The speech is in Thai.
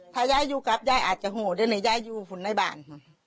ถ้ายายอยู่กับยายอาจจะโหดด้วยนะยายอยู่ฝุ่นในบ้าน